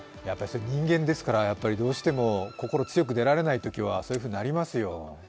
人間ですから、心強く出られないときはそういうふうになりますよ。